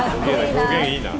表現いいな。